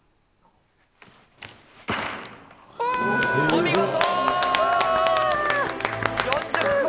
お見事ー！